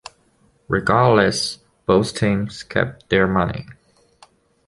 Regardless, both teams kept their money.